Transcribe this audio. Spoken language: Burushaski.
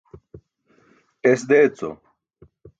Es deeco.